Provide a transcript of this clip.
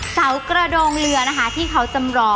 เส้ากระโดงเรือที่เขาจำลอง